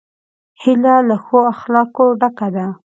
هیلۍ له ښو اخلاقو ډکه ده